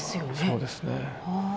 そうですね。